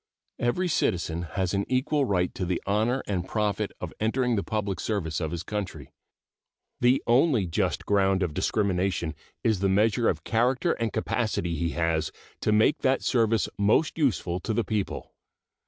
Every citizen has an equal right to the honor and profit of entering the public service of his country. The only just ground of discrimination is the measure of character and capacity he has to make that service most useful to the people.